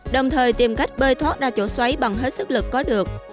đồng thời tìm cách bơi thoát ra chỗ xoáy bằng hết sức lực có được